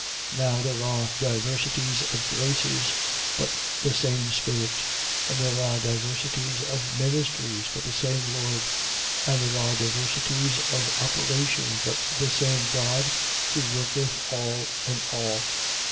12:4. Now there are diversities of graces, but the same Spirit. 12:5. And there are diversities of ministries. but the same Lord. 12:6. And there are diversities of operations, but the same God, who worketh all in all.